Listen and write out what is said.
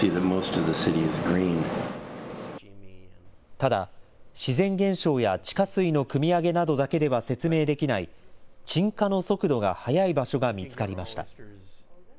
ただ、自然現象や地下水のくみ上げなどだけでは説明できない、沈下の速度が速い場所が見つかりました。